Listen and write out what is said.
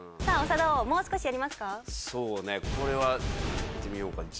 さあ長田王もう少しやりますか？